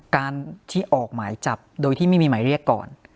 การที่ออกหมายจับโดยที่ไม่มีหมายเรียกก่อน